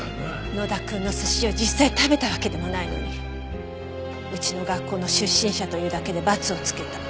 野田くんの寿司を実際食べたわけでもないのにうちの学校の出身者というだけでバツをつけた。